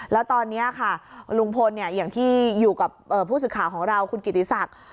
แล้วตอนนี้ค่ะลุงพลอย่างที่อยู่กับผู้สื่อข่าวของเราคุณกิติศักดิ์